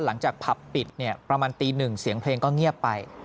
หลังจากผับปิดประมาณตีหนึ่งเสียงเพลงก็เงียบไป